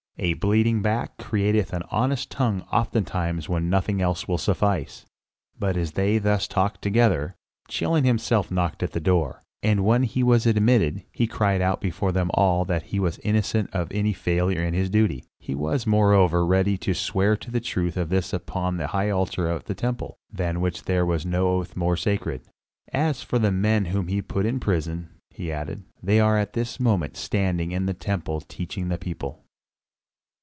A bleeding back createth an honest tongue oftentimes when nothing else will suffice." But as they thus talked together, Chilion himself knocked at the door; and when he was admitted, he cried out before them all that he was innocent of any failure in his duty; he was, moreover, ready to swear to the truth of this upon the high altar of the temple, than which there was no oath more sacred. "As for the men whom ye put in prison," he added, "they are at this moment standing in the temple teaching the people!"